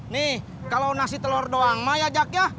nih kalo nasi telor doang mah ya jak ya